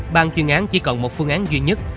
ban chuyên án chỉ cần một phương án duy nhất